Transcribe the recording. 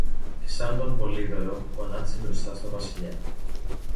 και σαν τον Πολύδωρο γονάτισε μπροστά στο Βασιλιά.